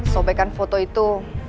sobekkan foto itu